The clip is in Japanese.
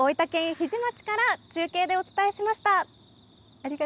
日出町から中継でお伝えしました。